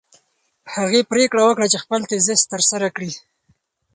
هغې پرېکړه وکړه چې خپل تیزیس ترسره کړي.